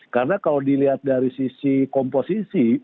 karena kalau dilihat dari sisi komposisi